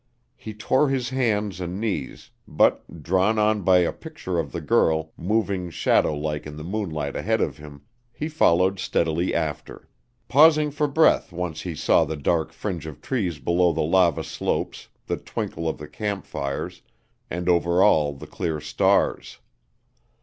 He tore his hands and knees, but, drawn on by a picture of the girl, moving shadow like in the moonlight ahead of him, he followed steadily after. Pausing for breath once he saw the dark fringe of trees below the lava slopes, the twinkle of the camp fires, and over all the clear stars.